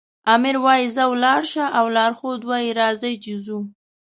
آمر وایي ځه ولاړ شه او لارښود وایي راځئ چې ځو.